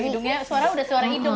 oh hidungnya suara udah suara hidung